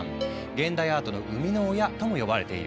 「現代アートの生みの親」とも呼ばれている。